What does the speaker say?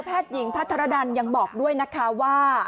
สัตวแพทย์หญิงพระธรดันยังบอกด้วยนะคะว่า